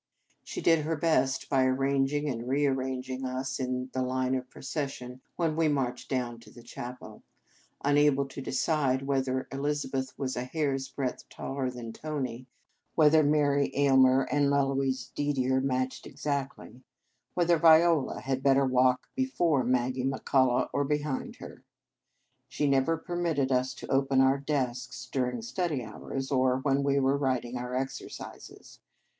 She did her best by arranging and rearranging us in the line of procession when we marched down to the chapel, unable to decide whether Elizabeth was a hair s breadth taller than Tony, whether Mary Ayl mer and Eloise Didier matched ex actly, whether Viola had better walk before Maggie McCullah, or behind her. She never permitted us to open our desks during study hours, or when we were writing our exercises.